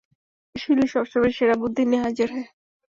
শিরলি সবসময় সেরা বুদ্ধি নিয়ে হাজির হয়।